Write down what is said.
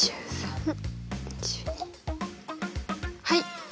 はい！